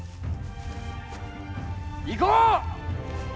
行こう！